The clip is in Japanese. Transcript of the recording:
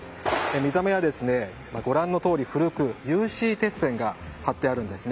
見た目は、ご覧のとおり古く有刺鉄線が張ってあります。